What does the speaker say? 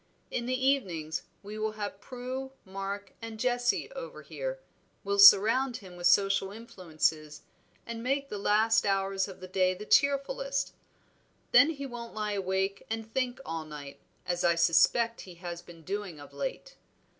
In the evenings we will have Prue, Mark, and Jessie over here, will surround him with social influences, and make the last hours of the day the cheerfullest; then he won't lie awake and think all night, as I suspect he has been doing of late.